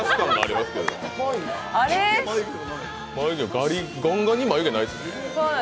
ガンガンに眉毛ないですね。